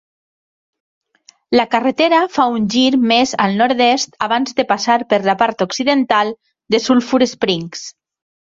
La carretera fa un gir més al nord-est abans de passar per la part occidental de Sulphur Springs.